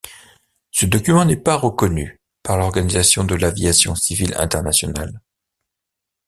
Ce document n'est pas reconnu par l'Organisation de l'aviation civile internationale.